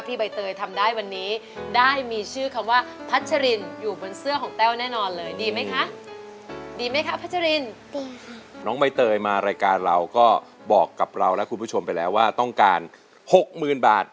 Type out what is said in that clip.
ที่เพลงที่สองนะครับเพลงที่สองก็มีมูลค่าสองหมื่นบาทนะครับ